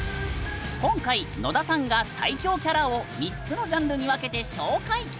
今回野田さんが最恐キャラを３つのジャンルに分けて紹介！